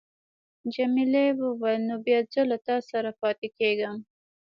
جميلې وويل: نو بیا زه له تا سره پاتېږم.